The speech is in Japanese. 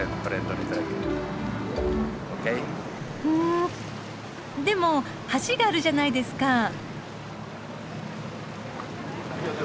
ふんでも橋があるじゃないですか？